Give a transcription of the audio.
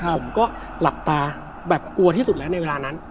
ผมก็หลับตาแบบกลัวที่สุดแล้วในเวลานั้น